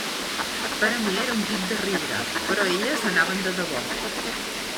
Per a mi era un tip de riure, però elles anaven de debò.